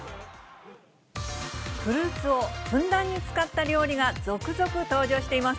フルーツをふんだんに使った料理が続々登場しています。